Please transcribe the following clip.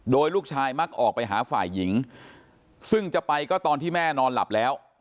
โดยลูกชายมักออกไปหาฝ่ายหญิงซึ่งจะไปก็ตอนที่แม่นอนหลับแล้ว